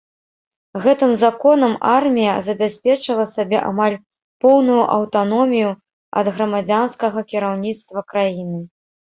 Гэтым законам армія забяспечыла сабе амаль поўную аўтаномію ад грамадзянскага кіраўніцтва краіны.